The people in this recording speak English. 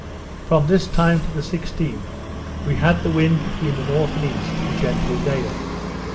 From this time to the 16th, we had the wind between the north and east, a gentle gale.